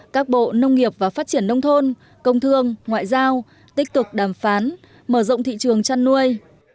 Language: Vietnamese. các bộ nông nghiệp và phát triển nông thôn công thương ngoại giao tích cực đàm phán mở rộng thị trường chăn nuôi